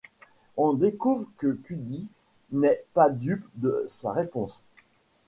On découvre que Cuddy n'est pas dupe de sa réponse.